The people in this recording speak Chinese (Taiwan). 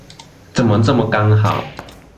怎麼這麼剛好